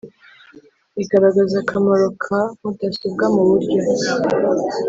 Igaragaza akamaro ka mudasobwa muburyo